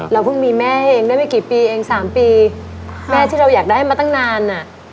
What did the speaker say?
เราเพิ่งมีแม่ให้ได้ไม่กี่ปีแม่ที่เราอยากได้มาตั้งนาน